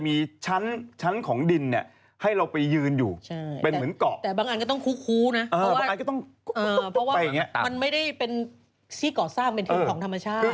ผู้ไม่ได้เป็นสี่ก่อสร้างเป็นเท้าของธรรมชาติ